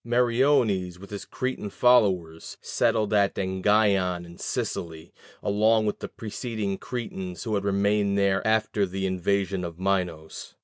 Meriones, with his Cretan followers, settled at Engyion in Sicily, along with the preceding Cretans who had remained there after the invasion of Minos.